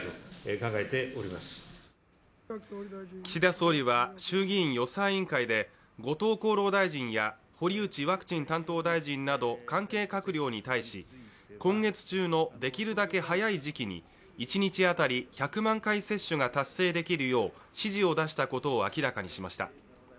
岸田総理は衆議院予算委員会で後藤厚労大臣や堀内ワクチン担当大臣など関係閣僚に対し、今月中のできるだけ早い時期に一日当たり１００万回接種が達成できるよう指示を出したことを明らかにしました。